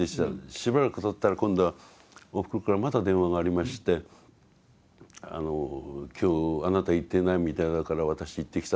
しばらくたったら今度はおふくろからまた電話がありまして今日あなた行っていないみたいだから私行ってきたと。